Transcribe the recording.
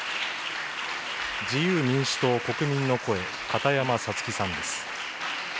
自由民主党・国民の声、片山さつきさんです。